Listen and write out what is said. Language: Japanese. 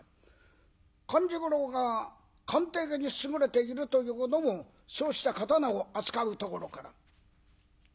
勘十郎が鑑定に優れているというのもそうした刀を扱うところから。